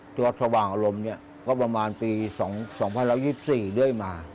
ที่วัดสว่างอารมณ์นี่ก็ประมาณปี๒๐๒๔ด้วยมา